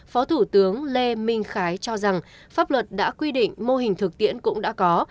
phó thủ tướng lê minh khái cho rằng pháp luật đã quy định mô hình thực tiễn cũng đã có